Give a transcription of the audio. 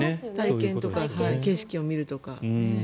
体験とか景色を見るとか。